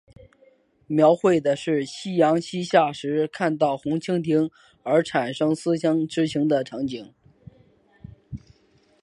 描绘的是夕阳西下时看到红蜻蜓而产生思乡之情的场景。